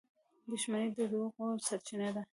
• دښمني د دروغو سرچینه ده.